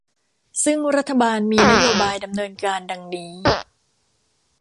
ซึ่งรัฐบาลมีนโยบายดำเนินการดังนี้